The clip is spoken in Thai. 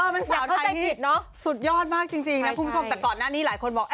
เป็นสาวไทยผิดเนอะสุดยอดมากจริงนะคุณผู้ชมแต่ก่อนหน้านี้หลายคนบอก